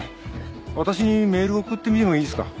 私にメールを送ってみてもいいですか？